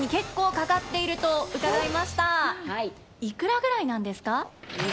いくらぐらいなんですか？